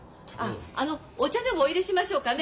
あのお茶でもおいれしましょうかね。